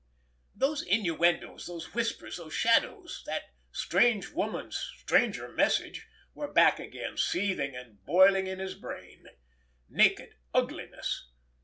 Those innuendoes, those whispers, those shadows, that strange woman's stranger message were back again, seething and boiling in his brain. Naked ugliness!